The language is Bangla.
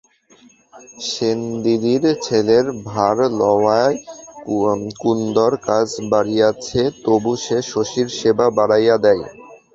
সেনদিদির ছেলের ভার লওয়ায় কুন্দর কাজ বাড়িয়াছে, তবু সে শশীর সেবা বাড়াইয়া দেয়।